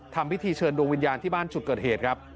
ทำพิธีเชิญดวงวิญญาณที่บ้านจุดเกิดเหตุครับ